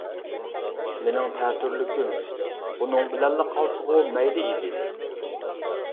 مېنىڭ تەتۈرلۈكۈم بۇنىڭ بىلەنلا قالسىغۇ مەيلى ئىدى.